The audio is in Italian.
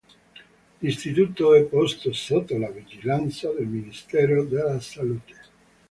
L'Istituto è posto sotto la vigilanza del Ministero della salute.